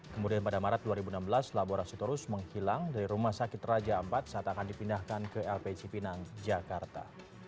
kemudian pada maret dua ribu enam belas laborasitorus menghilang dari rumah sakit raja ampat saat akan dipindahkan ke lp cipinang jakarta